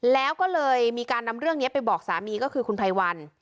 แล้วก็เลยมีการนำเรื่องนี้ไปบอกสามีก็คือคุณไพรวัน